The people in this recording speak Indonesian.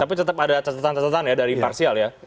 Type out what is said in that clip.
tapi tetap ada catatan catatan ya dari parsial ya